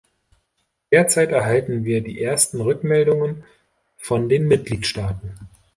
Derzeit erhalten wir die ersten Rückmeldungen von den Mitgliedstaaten.